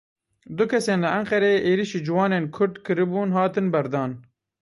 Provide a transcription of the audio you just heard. Du kesên li Enqereyê êrişî ciwanên Kurd kiribûn, hatin berdan.